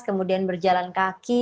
kemudian berjalan kaki